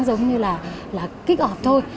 giống như là kích ỏp thôi